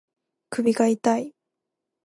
首が痛い